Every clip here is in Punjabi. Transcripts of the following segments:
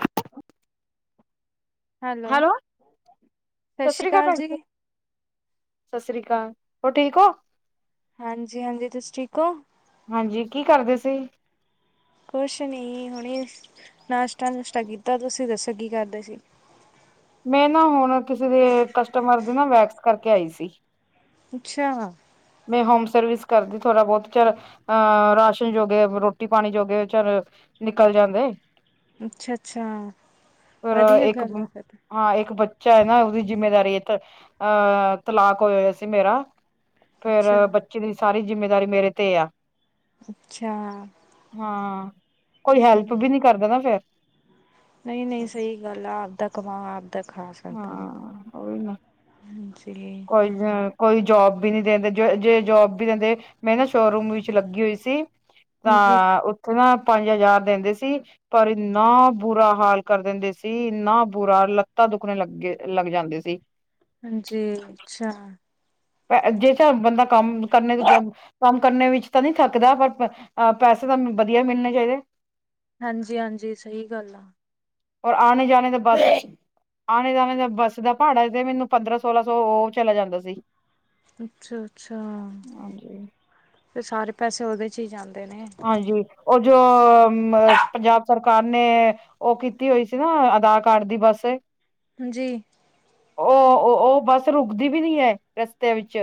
[inaudible] ਹੈਲੋ, ਸਤਿ ਸ ਸ਼੍ਰੀ ਸ੍ਰੀ ਕਾਲ ਅਕਾਲ ਭੈਣ ਜੀ। ਸ ਸ੍ਰੀ ਕਾਲ, ਹੋਰ ਠੀਕ ਹੋ। ਹਾਂਜੀ-ਹਾਂਜੀ ਤੁਸੀਂ ਠੀਕ ਹੋ? ਹਾਂਜੀ ਕੀ ਕਰਦੇ ਸੀ? ਕੁਛ ਨੀ ਹੁਣੀ ਨਾਸ਼ਤਾ ਨੁਸ਼ਤਾ ਕੀਤਾ, ਤੁਸੀ ਦਸੋ ਕੀ ਕਰਦੇ ਸੀ? [inaudible] ਮੈਂ ਨਾ ਹੁਣ ਕਿਸੇ ਦੇ ਕਸਟਮਰ ਦੇ ਨਾ ਵੈਕਸ ਕਰਕੇ ਆਈ ਸੀ। ਅਛਾ- ਮੈਂ ਹੋਮ ਸਰਵਿਸ ਕਰਦੀ ਥੋੜਾ ਬਹੁਤ, ਚਰ ਅ ਰਾਸ਼ਨ ਜੋਗੇ ਰੋਟੀ ਪਾਣੀ ਜੋਗੇ ਚਲ ਨਿਕਲ ਜਾਂਦੇ ਅੱਛਾ ਅੱਛਾ ਫਿਰ ਵਧੀਆ ਇੱਕ ਗਲ ਆ ਫਿਰ ਹਾਂ ਇਕ ਬੱਚਾ ਹੈ। ਨਾ ਉਹਦੀ ਜਿਮੇਦਾਰੀ ਅਹ ਤਲਾਕ ਹੋ ਹੋਇਆ ਸੀ ਮੇਰਾ। ਫੇਰ ਅੱਛਾ, ਬਚੇ ਦੀ ਸਾਰੀ ਜਿਮੇਦਾਰੀ ਮੇਰੇ ਤੇ ਆ। ਅਛਾ- ਹਾਂ ਕੋਈ ਹੈਲਪ ਵੀ ਨਹੀ ਕਰਦਾ ਨਾ ਫੇਰ ਨਹੀ- ਨਹੀ ਸਹੀ ਗੱਲ ਆ ਆਪਦਾ ਕਮਾ ਤੇ ਖਾਸ ਕਰਤੇ ਹੁੰਦੇ- ਹਾਂ ਉਹੀ ਨਾ ਕੋਈ ਕੋਈ ਜੋਬ ਵੀ ਨਹੀ ਦਿਦੇ ਜੇ ਜੋਬ ਵੀ ਦਿਦੇ ਮੈਂ ਨਾ ਸ਼ੋਰੂਮ ਵਿਚ ਲਗੀ ਹੋਈ ਸੀ ਤਾਂ ਹਾਂਜੀ, ਉਥੇ ਨਾ ਪੰਜ ਹਜ਼ਾਰ ਦਿਦੇ ਸੀ ਪਰ ਇਨਾ ਬੁਰਾ ਹਾਲ ਕਰ ਦਿਦੇ ਸੀ ਇਨਾ ਬੁਰਾ ਲਤਾਂ ਦੁਖਣੇ ਲਗੇ ਲਗ ਜਾਂਦੇ ਸੀ। ਹਾਂਜੀ ਅਛਾ- ਜਿਸ ਤ ਬੰਦਾ ਕੰਮ ਕਰਨੇ ਕਮ ਕਰਨੇ ਵਿਚ ਤਾਂ ਨਹੀ ਥਕਦਾ ਪਰ ਪੈਸੇ ਤਾਂ ਵਧੀਆ ਮਿਲਣੇ ਚਾਹੀਦੇ ਹਾਂਜੀ ਹਾਂਜੀ ਸਹੀ ਗਲ ਆ। ਔਰ ਆਣੇ ਜਾਣੇ ਦਾ ਬਸ ਆਣੇ ਜਾਣੇ ਦਾ ਬਸ ਦਾ ਭਹਾੜਾ ਮੈਨੂੰ ਪੰਦਰਾ ਪਨਦਰਾ ਸੌ ਉਹ ਚਲਾ ਜਾਦਾ ਸੀ। ਅਛਾ- ਅਛਾ ਹਾਂਜੀ ਤੇ ਸਾਰੇ ਪੈਸੇ ਉਹਦੇ ਚ ਹੀ ਜਾਦੇ ਹਾਂਜੀ ਉਹ ਜੋ ਪੰਜਾਬ- ਸਰਕਾਰ ਨੇ ਉਹ ਕੀਤੀ ਹੋਈ ਸੀ ਨਾ ਆਧਾਰ ਕਾਰਡ ਦੀ ਬਸ ਹਾਂਜੀ। ਉਹ-ਉਹ ਓ ਬੱਸ ਰੁਕਦੀ ਵੀ ਨੀ ਹੈ, ਰਸਤੇ ਵਿੱਚ।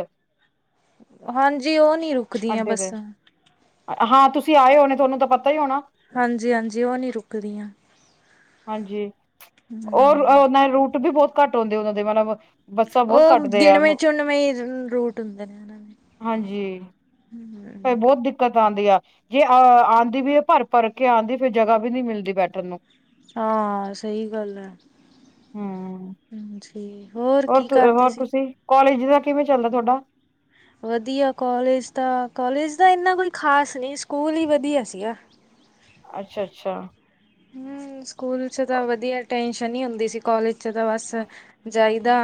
ਹਾਂਜੀ ਉਹ ਨਹੀਂ ਰੁਕਦੀਆਂ ਅੱਡੇ ਤੇ ਬੱਸਾਂ। ਹਾਂ ਤੁਸੀਂ ਆਏ ਹੋਣੇ ਤੁਹਾਨੂੰ ਤਾਂ ਪਤਾ ਹੀ ਹੋਣਾ। ਹਾਂਜੀ-ਹਾਂਜੀ ਉਹ ਨੀ ਰੁਕਦੀਆਂ। ਹਾਂਜੀ ਓ ਰ ਉਹ ਰੂਟ ਵੀ ਬਹੁਤ ਘੱਟ ਹੂੰਦੇ ਉਹਨਾਂ ਦੇ ਮਤਲਬ ਬੱਸਾਂ ਬਹੁਤ ਉਹ ਘੱਟਦੇ ਆ ਗਿਣਵੇਂ ਚੁੰਣਵੇ ਈ ਰੂਟ ਹੁੰਦੇ ਨੇ ਨਾ ਹਾਂਜੀ। ਫੇਰ ਬਹੁਤ ਦਿੱਕਤ ਆਉਂਦੀ ਆ ਜੇ ਅਹ ਆਉਂਦੀ ਵੀ ਹੈ ਭਰ- ਭਰ ਕੇ ਆਉਂਦੀ, ਫਿਰ ਜਗ੍ਹਾ ਵੀ ਨਹੀਂ ਮਿਲਦੀ ਬੈਠਣ ਨੂੰ। ਹਾਂ ਸਹੀ ਗੱਲ ਹੈ। ਹਮ ਹੋਰ ਕੀ ਕਰਦੇ ਸੀ? ਕੌਲਜ ਦਾ ਕਿਵੇਂ ਚੱਲਦਾ ਤੁਹਾਡਾ? ਵਧੀਆ ਕਾੱਲਜ ਦਾ ਕਾੱਲਜ ਦਾ ਇੰਨਾ ਕੁਝ ਖਾਸ ਨਹੀਂ, ਸਕੂਲ ਹੀ ਵਧੀਆ ਸੀਗਾ। ਅੱਛਾ-ਅੱਛਾ। ਹਮ ਸਕੂਲ ਚ ਤਾਂ ਵਧੀਆ ਟੈਂਸ਼ਨ ਨੀ ਹੁੰਦੀ ਸੀ। ਕਾੱਲਜ ਚ ਤਾਂ ਬਸ ਜਾਈਦਾ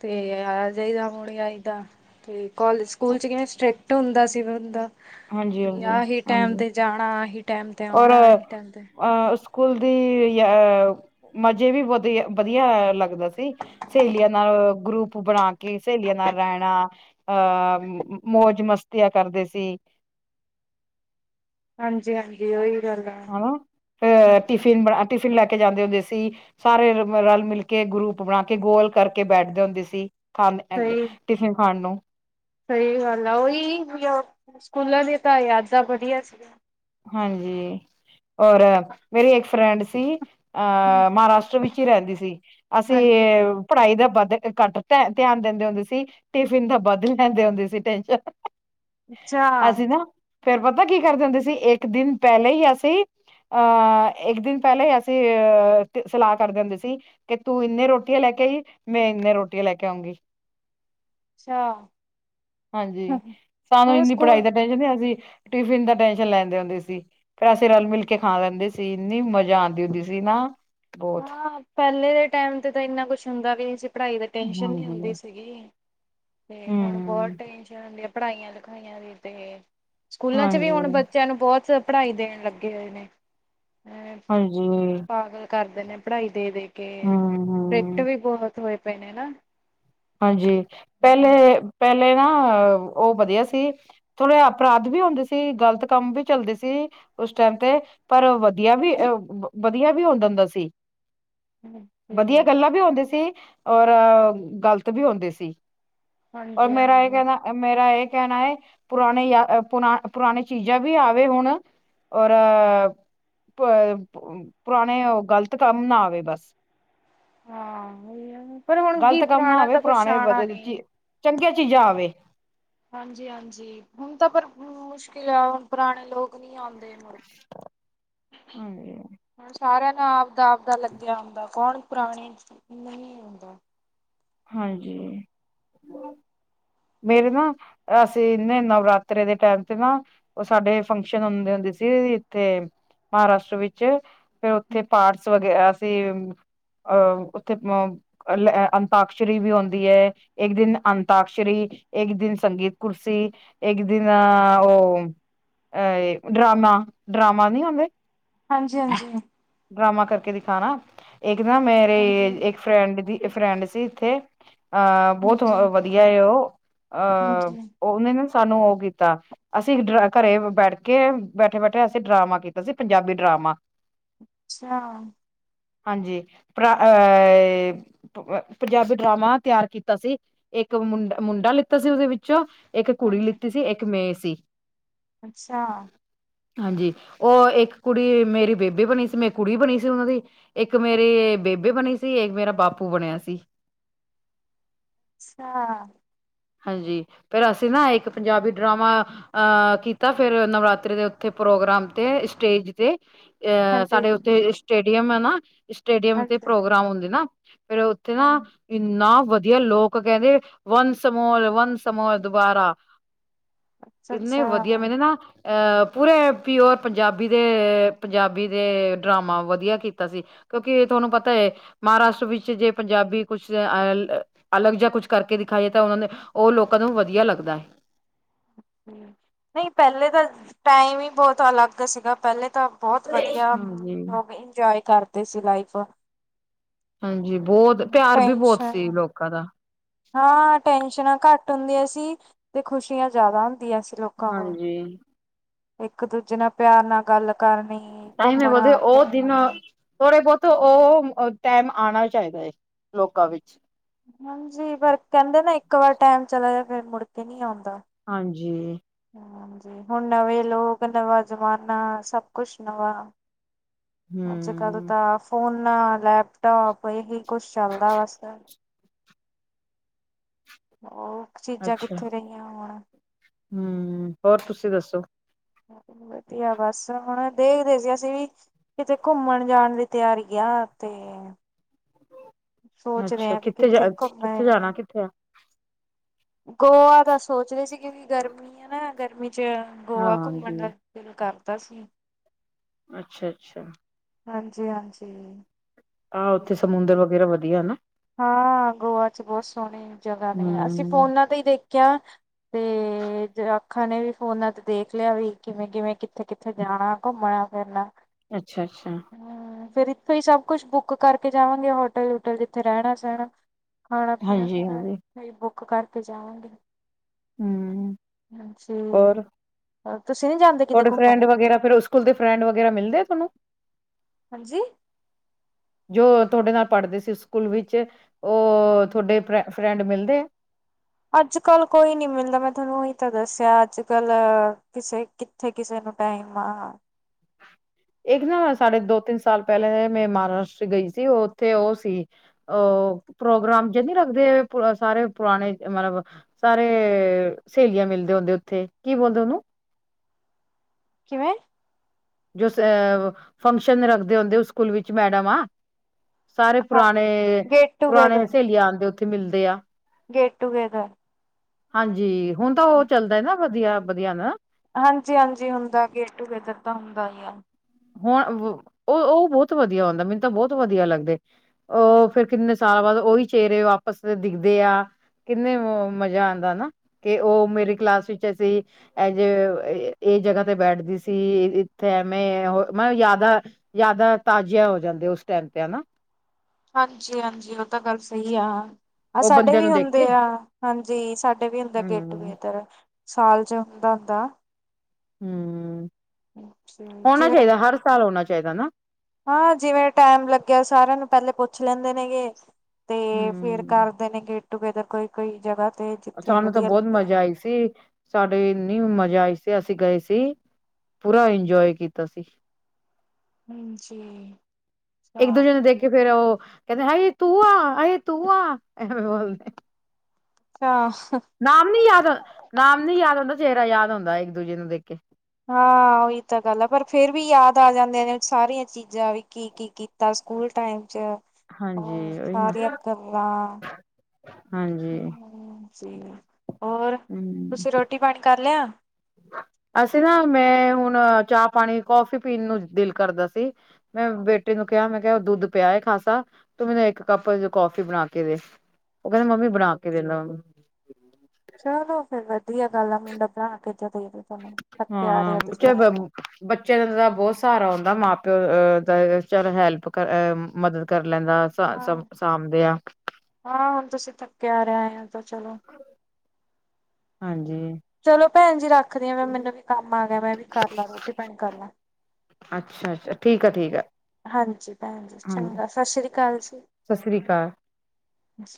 ਤੇ ਆ ਜਾਈਦਾ ਹੁਣ ਆਈਦਾ ਕਾਲਜ, ਸਕੂਲ ਚ ਕਿਵੇ ਸਟ੍ਰਿਕਟ ਹੁੰਦਾ ਸਿਗਾ ਹਾਂਜੀ-ਹਾਂਜੀ, ਹਾਂਜੀ ਆਹੀ ਟੈਮ ਹਾਂਜੀ ਤੇ ਜਾਣਾ, ਆਹੀ ਟੈਮ ਤੇ ਆਉਣਾ, ਆਹੀ ਟਾਈਮ ਤੇ ਅਹ ਸਕੂਲ ਦੀ ਅ ਮਜੇ ਵੀ ਵਧੀ ਵਧੀਆ ਲੱਗਦਾ ਸੀ ਸਹੇਲੀਆਂ ਨਾਲ ਗਰੁੱਪ ਬਣਾ ਕੇ ਸਹੇਲੀਆਂ ਨਾਲ ਰਹਿਣਾ। ਅਹ ਮੌਜ ਮਸਤੀ ਕਿਆ ਕਰਦੇ ਸੀ? ਹਾਂਜੀ-ਹਾਂਜੀ ਉਹੀ ਗੱਲ ਆ। ਹਨਾ ਫ ਸਹੀ ਟਿਫਿਨ ਬ ਟਿਫਿਨ ਟਿਫਿਨ ਲੈਕੇ ਜਾਂਦੇ ਹੁੰਦੇ ਸੀ। ਸਾਰੇ ਰਲ- ਮਿਲ ਕੇ ਗਰੁੱਪ ਬਣਾ ਕੇ ਗੋਲ ਕਰਕੇ ਬੈਠਦੇ ਹੁੰਦੇ ਸੀ। ਖਾਂ ਅਗੇ ਟਿਫਿਨ ਖਾਣ ਨੂੰ ਸਹੀ ਗੱਲ ਆ ਉਹੀ [inaudible] ਸਕੂਲਾਂ ਦੀ ਤਾਂ ਯਾਦਾਂ ਵਧਿਆਂ ਸੀਗਿਆਂ ਹਾਂਜੀ ਔਰ ਮੇਰੀ ਇੱਕ ਫਰੈਂਡ ਸੀ ਅ ਮਹਾਰਾਸ਼ਟਰ ਵਿੱਚ ਹੀ ਰਹਿੰਦੀ ਸੀ ਅਸੀਂ ਹਾਂਜੀ ਏ ਪੜ੍ਹਾਈ ਦਾ ਵੱਧ ਘੱਟ ਧਿਆਨ ਦਿੰਦੇ ਹੁੰਦੇ ਸੀ ਟਿਫਿਨ ਦਾ ਬੱਦ ਲੈਂਦੇ ਹੁੰਦੇ ਸੀ ਟੈਨਸ਼ਨ ਅੱਛਾ ਅਸੀਂ ਨਾ ਫੇਰ ਪਤਾ ਕੀ ਕਰਦੇ ਹੁੰਦੇ ਸੀ, ਇੱਕ ਦਿਨ ਪਹਿਲੇ ਹੀ ਅਸੀਂ ਅ ਹ ਇੱਕ ਦਿਨ ਪਹਿਲਾਂ ਹੀ ਅਸੀਂ ਅਹ ਸਲਾਹ ਕਰਦੇ ਹੁੰਦੇ ਸੀ ਕਿ ਤੂੰ ਇੰਨੇ ਰੋਟੀਆਂ ਲੈ ਕੇ ਕੇ ਮੈਂ ਇੰਨੇ ਰੋਟੀੀਆਂ ਲੈ ਕੇ ਆਉਂਗੀ। [inaudible] ਅੱਛਾ ਹਾਂਜੀ ਸਾਨੂੰ ਹੋਰ ਇੰਨੀ ਪੜ੍ਹਾਈ ਸਕੂਲ ਦਾ ਟੈਸ਼ਨ ਨਹੀਂ ਅਸੀ ਟਿਫਿਨ ਦਾ ਟੈਨਸ਼ਨ ਲੈਂਦੇ ਹੁੰਦੇ ਸੀ, ਫਿਰਰ ਅਸੀਂ ਰਲ ਮਿਲ ਕੇ ਖਾ ਲੈਂਦੇ ਸੀ ਤੇ ਇੰਨੀ ਮਜ਼ਾ ਆਉਂਦੀ ਹੁੰਦੀ ਸੀ ਨਾ ਬਹੁਤ ਹਾਂ ਪਹਿਲੇ ਦੇ ਟਾਈਮ ਤੇ ਤਾਂ ਇੰਨਾ ਕੁਛ ਹੁੰਦਾ ਵੀ ਨੀ ਸੀ। ਪੜ੍ਹਾਈ ਦੀ ਟੈਨਸ਼ਨ ਨਹੀਂ ਹੁੰਦੀ ਹਾਂਜੀ, ਸੀਗੀ। ਤੇ ਹੁਣ ਬਹੁਤ ਹੂੰ, ਟੈਨਸ਼ਨ ਹੁੰਦੀ ਆ ਪੜ੍ਹਾਈਆਂ ਲਿਖਾਈਆਂ ਦੀ ਤੇ ਸਕੂਲਾਂ ਚ ਵੀ ਹਾਂਜੀ, ਹੁਣ ਬੱਚਿਆਂ ਨੂੰ ਬਹੁਤ ਪੜ੍ਹਾਈ ਦੇਣ ਲੱਗੇ ਹੋਏ ਨੇ। ਅ ਹਾਂਜੀ। ਪਾਗਲ ਕਰਦੇ ਨੇ ਪੜ੍ਹਾਈ ਦੇ ਦੇ ਕੇ ਫਿਕਟ ਹੂੰ-ਹੂੰ, ਵੀ ਬਹੁਤ ਹੋਏ ਪਏ ਨੇ ਨਾ। ਹਾਂਜੀ ਪਹਿਲੇ ਪਹਿਲੇ ਨਾ ਓ ਹ ਵਧੀਆ ਸੀ। ਥੋੜੇ ਅਪਰਾਧ ਵੀ ਹੁੰਦੇ ਸੀ, ਗ਼ਲਤ ਕੰਮ ਵੀ ਚੱਲਦੇ ਸੀ ਉਸ ਟਾਈਮ ਤੇ, ਪਰ ਵਧ ਵਧੀਆ ਵੀ ਅਹ ਬ ਵਧੀਆ ਵੀ ਹੋ ਜਾਂਦਾ ਸੀ ਵਧੀਆ ਗੱਲਾਂ ਵੀ ਹੂਂਦਿਆ ਸੀ ਔਰ ਗ਼ਲਤ ਵੀ ਹੁੰਦੇ ਸੀ। ਔਰ ਹਾਂਜੀ ਮੇਰਾ ਇਹ ਹਾਂਜੀ ਕਹਿੰਣਾ, ਮੇਰਾ ਇਹ ਕਹਿਣਾ ਹੈ, ਪੁਰਾਣੇ ਯ ਪੁਰਾ ਪੁਰਾਣੇ ਚੀਜ਼ਾਂ ਵੀ ਆਵੇ ਹੁਣ ਔਰ ਪ ਪੁ ਪੁਰਾਣੇ ਉਹ ਗ਼ਲਤ ਕੰਮ ਨਾ ਆਵੇ ਬਸ। ਹਾਂ ਉਹੀ ਆ ਪਰ ਹੁਣ ਕੀ ਗ਼ਲਤ ਕੰਮ ਨਾ ਪੁਰਾਣਾ ਤਾਂ ਕੁਛ ਹੋਵੇ‌।ਪੁਰਾਣੇ ਆਣਾ ਨਹੀਂ। ਵਧੇਤੀਏ ਚੰਗੀਆਂ ਚੀਜ਼ਾਂ ਆਵੇ। ਹਾਂਜੀ, ਹਾਂਜੀ, ਹੁਣ ਤਾਂ ਪਰ ਮੁਸ਼ਕਿਲ ਆ। ਹੁਣ ਪੁਰਾਣੇ ਲੋਕ ਨਹੀਂੀ ਆਉਂਦੇ। ਮੁੜ। ਹਾਂਜੀ। ਹੁਣ ਸਾਰਿਆਂ ਨਾਲ ਆਪਦਾ ਆਪਦਾ ਲੱਗਿਆ ਹੁੰਦਾ। ਕੌਣ ਪੁਰਾਣੇ ਨਹੀਂ ਹੁੰਦਾ। ਹਾਂਜੀ। ਮੇਰੇ ਨਾ ਅਸੀਂਨੇ ਨਵਰਾਤ੍ਰੇ ਦੇ ਟਾਈਮ ਤੇ ਨਾ ਉਹ ਸਾਡੇ ਫੰਕਸ਼ਨ ਹੁੰਦੇ ਹੁੰ ਸੀ। ਇੱਥੇ ਮਹਾਰਾਸ਼ਟਰ ਵਿੱਚ ਫਿਰ ਉੱਥੇ ਪਾਰਸ ਵਗੈਰਾ ਸੀ। ਅ ਉੱਥੇ ਅ ਤਾਕਸ਼ਰੀ ਵੀ ਆਉਂਦੀ ਹੈਏ ਦਿਨ ਅੰਤਾਕਸ਼ਰੀ, ਇੱਕ ਦਿਨ ਸੰਗੀਤ ਕੁਰਸੀ, ਇੱਕ ਦਿਨ ਉਹ ਡਰਾਮਾ ਡਰਾਮਾ ਨੀ ਆਉਂਦੇ । ਹਾਂਜੀ, ਹਾਂਜੀ। ਡਰਾਮਾ ਕਰਕੇ ਦਿਖਾਣਾ। ਇੱਕ ਨਾ ਮੇਰੇ ਹਾਂਜੀ ਇੱਕ ਫਰੈਂਡ ਦੀ ਫਰਡ ਸੀ ਇੱਥੇ। ਅਹ ਬਹੁਤ ਹਾਂਜੀ ਵਧੀਆ ਉਹ। ਅ ਹਾਂਜੀ ਉਹਨੇ ਨਾ ਸਾਨੂੰ ਉਹ ਕੀਤਾ ਅਸੀਂ ਡ ਘਰੇ ਬੈਠ ਕੇ ਬੈਠੇ ਬੈਠੇ ਅਸੀਂ ਡਰਾਮਾ ਕੀਤਾ ਸੀ। ਪੰਜਾਬੀ ਡਰਾਮਾ ਅੱਛਾ ਹਾਂਜੀ ਪਰਾ ਅਹ ਪੰਜਾਬੀ ਡਰਾਮਾ ਤਿਆਰ ਕੀਤਾ ਸੀ। ਇੱਕ ਮੁੰਡ ਮੁੰਡਾ ਲਿੱਤਾ ਸੀ। ਉਹਦੇ ਵਿੱਚੋ ਇੱਕ ਕੁੜੀ ਹਾਂਜੀ। ਲਿੱਤੀ ਸੀ। ਇੱਕ ਮੇ ਸੀ। ਅੱਛਾ ਹਾਂਜੀ, ਉਹ ਇੱਕ ਕੁੜੀ ਮੇਰੀ ਬੇਬੀ ਬਣੀ ਸੀ ਮੈਂ ਕੁੜੀ ਬਣੀ ਸੀ ਉਹਨਾਂ ਦੀ ਇੱਕ ਮੇਰੇ ਬੇਬੇ ਬਣੀ ਸੀ। ਇੱਕ ਮੇਰਾ ਬਾਪੂ ਬਣਿਆ ਸੀ। ਹ [unintelligible] ਹਾਂਜੀ, ਫੇਰ ਅਸੀਂ ਨਾ ਇੱਕ ਪੰਜਾਬੀ ਡਰਾਮਾ ਅਹ ਕੀਤਾ ਫੇਿਰ ਨਵਰਾਤਰੀ ਦੇ ਉੱਥੇ ਪ੍ਰੋਗਰਾਮ ਤੇ, ਸਟੇਜ ਤੇ ਅ ਹਾਂਜੀ ਸਾਡੇ ਹਾਂਜੀ। ਉੱਥੇ ਸਟੇਡੀਅਮ ਹੈ ਨਾ ਸਟੇਡੀਅਮ ਤੇ ਅੱਛਾ ਪ੍ਰੋਗਰਾਮ ਹੁੰਦੇ ਨਾ। ਫੇਿਰ ਉੱਥੇ ਨਾ ਇੰਨਾ ਵਧੀਆ ਲੋਕ ਕਹਿੰਦੇ ਵੰਸ ਤੇ ਮੋਰ ਵੰਸ ਮੋਰ ਦੁਬਾਰਾ ਇੰਨੇ ਵਧੀਆ ਅੱਛਾ। ਮੈਨੇ ਨਾ ਅਹ ਪੂਰੇ ਪਿਓਰ ਪੰਜਾਬੀ ਦੇ ਪੰਜਾਬੀ ਦੇ ਡਰਾਮਾ ਵਧੀਆ ਕੀਤਾ ਸੀ। ਕਿਉਂਕਿ ਤੁਹਾਨੂੰ ਪਤਾ ਹੈ ਮਹਾਰਾਸ਼ਟਰ ਵਿੱਚ ਜੇ ਪੰਜਾਬੀ ਕੁਛ ਅ ਅਲਗ ਜ ਕੁਛ ਕਰਕੇ ਦਿਖਾਾਏ ਉਹਨਾਂ ਦੇ ਉਹ ਲੋਕਾਂ ਨੂੰ ਵਧੀਆ ਲੱਗਦਾ ਹੈ। ਨਹੀਂ ਪਹਿਲੇ ਤਾਂ ਟਾਈਮ ਹੀ ਬਹੁਤ ਅਲੱਗ ਸੀਗਾ ਪਹਿਲੇ ਤਾਂ ਬਹੁਤ ਵਧੀਆ ਹਾਂਜੀ ਲੋਕ ਇੰਜੋਏ ਕਰਦੇ ਸੀ ਲਾਈਫ ਹਾਂਜੀ। ਬਹੁਤ ਪਿਆਰ ਵੀ ਬਹੁਤ ਸੀ ਟੈਸ਼ਨ ਲੋਕਾਂ ਦਾ ਹਾਂ ਟੈਂਸ਼ਨਾਂ ਘੱਟ ੱਟ ਹੁੰਦੀਆਂ ਸੀ, ਤੇ ਖੁਸ਼ੀਆਂ ਜ਼ਿਆਦਾ ਹੁੰਦੀਆਂ ਸੀ ਲੋਕਾਂ ਕੋਲ। ਹਾਂਜੀ ਇੱਕ ਦੂਜੇ ਨਾਲ ਪਿਆਰ ਨਾਲ ਗੱਲ ਕਰਨੀ ਟਾਈਮ ਹੈ ਬੋਦੇ ਘੁੰਮਣਾ ਉਹ ਫਿਰਨਾ ਦਿਨ ਤੋਰੇ ਬਹੁਤ ਉਹ ਟੈਮ ਆਉਣਾ ਚਾਹੀਦਾ ਹੈ। ਲੋਕਾਂ ਵਿੱਚ ਹਾਂਜੀ, ਪਰ ਕਹਿੰਦੇ ਨਾ ਇੱਕ ਵਾਰ ਟੈਮ ਚਲਾ ਜਾਂਦਾ ਫਿਰ ਮੁੜ ਕੇ ਨਹੀਂੀ ਆਉਂਦਾ। ਹਾਂਜੀ। ਹਾਂਜੀ, ਹੁਣ ਨਵੇਂ ਲੋਕ, ਨਵਾਂ ਜ਼ਮਾਨਾ ਸਭ ਕੁਛ ਨਵਾਂ ਅੱਜ ਕੱਲ ਹਮ ਤਾਂ ਫੋਨ, ਲੈਪਟੋਪ, ਇਹੀ ਕੁਛ ਚੱਲਦਾ ਵਾਸ। ਉਹ ਚੀਜ਼ਾਂ ਕਿੱਥੇ ਰਹੀਆਂ ਹੁਣ। ਹਮ-ਹੋਰ ਤੁਸੀਂ ਦੱਸੋ? ਵਧੀਆ ਬਸ ਹੁਣ ਦੇਖਦੇ ਸੀ। ਅਸੀਂ ਵੀ ਕਿਤੇ ਘੁੰਮਣ ਜਾਣ ਦੀ ਤਿਆਰੀ ਆ। ਤੇ ਸੋਚਦੇ ਅੱਛਾ ਹ ਵੀ ਕਿੱਥੇ ਜਾ ਘੁੰਮ ਕਿੱਥੇ ਜਾਣਾ ਹੈ? ਕਿੱਥੇ ਆ ਗੋਆ ਤਾਂ ਸੋਚਦੇ ਸੀ। ਕਿਉਂਕਿ ਗਰਮੀ ਹੈ ਨਾ ਗਰ ਗੋਆ ਘੁੰਮਣ ਦਾ ਹਾਂਜੀ ਦਿਲ ਕਰਦਾ ਸੀ। ਅੱਛਾ ਅੱਛਾ ਹਾਂਜੀ ਹਾਂਜੀ ਹਹ ਉੱਥੇ ਸਮੁੰਦਰ ਵਗੈਰਾ ਵਧੀਆ ਨਾ ਹਾਂ ਗੋਆ ਚ ਬਹੁਤ ਸੋਹਣੀ ਜਗ੍ਹਾ ਨੇ ਅਸੀਂ ਹਮ ਫੋਨਾਂ ਤੇ ਹੀ ਦੇਖਿਆ ਤੇ ਜ ਅੱਖਾਂ ਨੇ ਵੀ ਫੋਨਾਂ ਤੇ ਦੇਖ ਲਿਆ ਵੀ ਕਿਵੇਂ ਕਿਵੇਂ ਕਿੱਥੇ ਕਿੱਥੇ ਜਾਣਾ ਘੁੰਮਣਾ ਫਿਰਨਾ ਅੱਛਾ ਅੱਛਾ ਫਿਰ ਇੱਥੇ ਹੀ ਸਭ ਕੁੱਛ ਬੁੱਕ ਕਰਕੇ ਜਾਵਾਂਗੇ ਹੋਟਲ ਹੋਟਲ ਜਿੱਥੇ ਰਹਿਣਾ ਸਹਿਣਾ ਖਾਣਾ ਪੀਣਾ ਹਾਂਜੀ ਸਾਰਾ ਹਾਂਜੀ ਇਥ ਹੀ ਬੁੱਕ ਕਰਕੇ ਜਾਵਾਂਗੇ ਹਮ ਹਾਂਜੀੇ ਹੋਰ ਤੁਹਾਡੇ ਫਰੈਂਡ ਵਗੈਰਾ ਫਿਰ ਸਕੂਲ ਦੇ ਫਰੈਂਡ ਵਗੈਰਾ ਮਿਲਦੇ ਆ ਤੁਹਾਨੂੰ ਹਾਂਜੀ ਜੋ ਤੁਹਾਡੇ ਨਾਲ ਪੜ੍ਹਦੇ ਸੀ ਸਕੂਲ ਵਿੱਚ ਉਹ ਤੁਹਾਡੇ ਫ ਫਰੈਂਡ ਮਿਲਦੇ ਅੱਜ ਕੱਲ ਕੋਈ ਨੀ ਮਿਲਦਾ ਮੈਂ ਤੁਹਾਨੂੰ ਉਹੀ ਤਾਂ ਦੱਸਿਆ ਅੱਜ ਕੱਲ ਕਿਸੇ ਕਿੱਥੇ ਕਿਸੇ ਨੇ ਨ ਟਾਈਮ ਇੱਕ ਨਾ ਸਾਡੇ ਦੋ ਤਿੰਨ ਸਾਲ ਪਹਿਲੇਾਂ ਮੈਂ ਮਹਾਰਾਸ਼ਟਰ ਗਈ ਸੀ ਉਹ ਉੱਥੇ ਉਹ ਸੀ ਉਹ ਪ੍ਰੋਗਰਾਮ ਜੇ ਨ ਰਗਦੇ ਸਾਰੇ ਪੁਰਾਣੇ ਮਤਲਬ ਸਾਰੇ ਸਹੇਲੀਆਂ ਮਿਲਦੇ ਹੁੰਦੇ ਉੱਥੇ ਕੀ ਬੋਲਦੇ ਹੈਲੋ ਕਿਵੇਂ ਜੋ ਫੰਕਸ਼ਨ ਰੱਖਦੇ ਹੁੰਦੇ ਉਸ ਸਕੂਲ ਵਿੱਚ ਮੈਡਮ ਆ ਸਾਰੇ ਹਾਂ ਪੁਰਾਣੇ ਗੇਟ ਪੁਰਾਣੇ ਟੂਗੇਦਰ ਸਹੇਲੀਆਂ ਆਉਂਦੇ ਉੱਥੇ ਮਿਲਦੇ ਆ ਗੇਟ ਟੂਗੇੈਦਰ ਹਾਂਜੀ ਹੁਣ ਤਾਂ ਉਹ ਚੱਲਦਾ ਨਾ ਵਧੀਆ ਵਧੀਆ ਨਾ ਹਾਂਜੀ ਹਾਂਜੀ ਹੁੰਦਾ ਗੇਟ ਟੂਗੇਦਰ ਤਾਂ ਹੁੰਦਾ ਹੀ ਆ ਹੁਣ ਉਹ ਉਹ ਬਹੁਤ ਵਧੀਆ ਹੁੰਂਦਾ ਮੈਨੂੰ ਤਾਂ ਬਹੁਤ ਵਧੀਆ ਲੱਗਦੇ ਉਹ ਫੇਿਰ ਕਿੰਨੇ ਸਾਲ ਬਾਅਦ ਉਓਹੀ ਚਿਹਰੇ ਵਾਪਸ ਦਿਖਦੇ ਆ ਕਿੰਨੇ ਮਜ਼ਾ ਆਉਂਦਾ ਨਾ ਕਿ ਉਹ ਮੇਰੀ ਕਲਾਸ ਵਿੱਚ ਅਸੀਂ ਐਜ ਕ ਜਗ੍ਹਾ ਤੇ ਬੈਠਦੀ ਸੀ ਇੱਥੇ ਐਵੇਂ ਹੋਰ ਮੈਂ ਜ਼ਿਆਦਾ ਜਿਆਦਾ ਤਾਜ਼ੀਆਂ ਹੋ ਜਾਂਦੇ ਉਸ ਟਾਈਮ ਤੇ ਹਨਾ ਹਾਂਜੀ ਹਾਂਜੀ ਉਹ ਤਾਂ ਗੱਲ ਸਹੀ ਆ ਆਹ ਉਹ ਸਾਡੇ ਬੰਦਿਆਂ ਵੀ ਨੂੰ ਦੇਖ ਹੁੰਦੇ ਕੇ ਆ ਹਾਂਜੀ ਸਾਡੇ ਵੀ ਹੁੰਦੇ ਆ ਗੇਟ ਵੀ ਹਮ ਇੱਧਰ ਸਾਲ ਚ ਹੁੰਦਾ ਹੁੰਦਾ ਹਮ ਹੋਣਾ ਜਿਵੇਂ ਚਾਹੀਦਾ ਹਰ ਸਾਲ ਹੋਣਾ ਚਾਹੀਦਾ ਨਾ ਹਾਂ ਜਿਵੇਂ ਟਾਈਮ ਲੱਗਿਆ ਸਾਰਿਆਂ ਨੂੰ ਪਹਿਲੇ ਪੁੱਛ ਪੁੱਛ ਲੈਂਦੇ ਨੇਗੇ ਤੇ ਫੇਰ ਹਮ ਕਰਦੇ ਨੇ ਗੇਟ ਟੂਗੇਦਰ ਕੋਈ ਕੋਈ ਜਗ੍ਹਾ ਤੇ ਜਿੱਥੇ ਸਾਨੂੰ ਤਾਂ ਵਧੀਆ ਬਹੁਤ ਲੱਗੇ। ਮਜਾ ਆਈ ਸੀ ਸਾਡੇ ਇੰਨੀ ਮਜ਼ਾ ਆਈ ਸੀ ਅਸੀਂ ਗਏ ਸੀ ਪੂਰਾ ਇੰਜੋਏ ਕੀਤਾ ਸੀ ਹਾਂਜੀ ਇੱਕ ਅੱਛਾ ਦੂਜੇ ਨੂੰ ਦੇਖ ਕੇ ਫਿਰ ਉਹ ਕਹਿੰਦੇ ਅਏ ਤੂੰ ਆ ਅਏ ਤੂੰ ਆ ਐਵੇਂ ਬੋਲਦੇ ਅੱਛਾ [unintelligible] ਨਾਮ ਨੀ ਯਾਦ ਨਾਮ ਨੀ ਯਾਦ ਹੁੰਦਾ ਚਿਹਰਾ ਯਾਦ ਹੁੰਦਾ ਇੱਕ ਦੂਜੇ ਨੂੰ ਦੇਖ ਕੇ ਹਾਂ ਉਹੀ ਤਾਂ ਗੱਲ ਆ ਪਰ ਫੇਰ ਵੀ ਯਾਦ ਆ ਜਾਂਦੇ ਨੇ ਸਾਰੀਆਂ ਚੀਜ਼ਾਂ ਵੀ ਕੀ ਕੀ ਤਾਂ ਸਕੂਲ ਟਾਈਮ ਚ ਹੋ ਹਾਂਜੀ ਉਹੀ ਨਾ ਸਾਰੀਆਂ ਗੱਲਾਂ ਹਾਂਜੀ ਹੋਰ ਹਮ ਤੁਸੀਂ ਰੋਟੀ ਪਾਣੀ ਕਰ ਲਿਆ ਅਸੀਂ ਨਾ ਮੈਂ ਹੁਣ ਚਾਹ ਪਾਣੀ ਕੌਫੀ ਪੀਣ ਨੂੰ ਦਿਲ ਕਰਦਾ ਸੀ ਮੈਂ ਬੇਟੇ ਨੂੰ ਕਿਹਾ ਮੈਂ ਕਿਹਾ ਦੁੱਧ ਪਿਆ ਖਾਸਾ ਤੂੰ ਮੈਨੂੰ ਇੱਕ ਕੱਪ ਕੌਫੀ ਬਣਾ ਕੇ ਦੇ ਉਹ ਕਹਿੰਦੇ ਮੰਮੀ ਬਣਾ ਕੇ ਦਿੰਦਾ ਚਲੋ ਫੇਰ ਵਧੀਆ ਗੱਲ ਆ ਮੁੰਡਾ ਬਣਾਣਾ ਕੇ ਚ ਦੇ ਤੁਹਾਨੂੰ ਥੱਕੇ ਆ ਹਾਂ ਰਿਹਾ ਤੁਸੀਂ ਆਏ ਹੋ ਬੱਚਿਆਂ ਦਾ ਤਾਂ ਬਹੁਤ ਸਹਾਰਾ ਹੁੰਂਦਾ ਮਾਂ ਪਿਓ ਅਹ ਚਾਰ ਹੈਲਪ ਕਰ ਮਦਦ ਕਰ ਲੈਂਦਾ ਹਾਂ ਸਾਂਭਦੇ ਆ ਹਾਂ ਹੁਣ ਤੁਸੀਂ ਥੱਕੇ ਆ ਰਹਾ ਆ ਤਾਂ ਚਲੋ ਹਾਂਜੀ ਚਲੋ ਭੈਣ ਜੀ ਰੱਖਦੀ ਆ ਮੈਂ ਮੈਨੂੰ ਵੀ ਕੰਮ ਆ ਗਿਆ ਮੈਂ ਵੀ ਕਰ ਲਾ ਰੋਟੀ ਪਾਣੀ ਕਰ ਲੈ ਅੱਛਾ ਠੀਕ ਆ ਠੀਕ ਹੈ ਭੈਣਜੀ ਚੰਗਾ ਸਤਿ ਸ੍ਰੀ ਅਕਾਲ ਜੀ ਸਤਿ ਸ੍ਰੀ ਅਕਾਲ ਅਛ